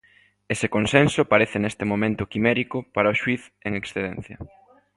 Ese consenso parece neste momento quimérico para o xuíz en excedencia.